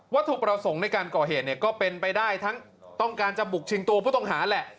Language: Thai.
ถูกประสงค์ในการก่อเหตุเนี่ยก็เป็นไปได้ทั้งต้องการจะบุกชิงตัวผู้ต้องหาแหละ